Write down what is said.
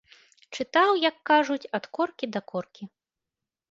Чытаў, як кажуць, ад коркі да коркі.